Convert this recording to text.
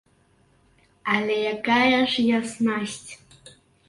Але якая ж яснасць?